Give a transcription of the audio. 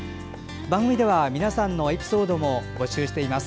番組では皆さんのエピソードも募集しています。